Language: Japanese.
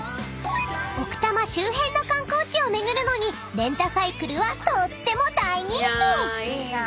［奥多摩周辺の観光地を巡るのにレンタサイクルはとっても大人気！］